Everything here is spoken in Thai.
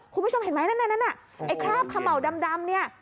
คุณผู้ชมเห็นไหมนั่นไอ้คราบขะเหมาดำนี่